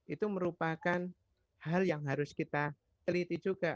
itu merupakan hal yang harus kita teliti juga